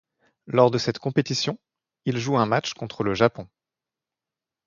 Lors de cette compétition, il joue un match contre le Japon.